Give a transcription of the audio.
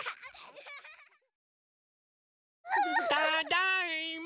ただいま！